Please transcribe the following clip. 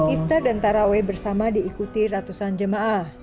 iftar dan taraweh bersama diikuti ratusan jemaah